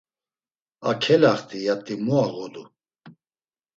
“A kelaxt̆i yat̆ile mu ağodu!”